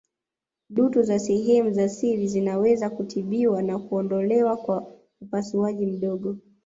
Dutu za sehemu za siri zinaweza kutibiwa na kuondolewa kwa upasuaji mdogo